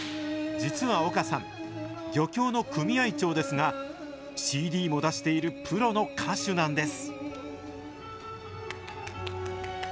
実は岡さん、漁協の組合長ですが、ＣＤも出しているプロの歌手なんです。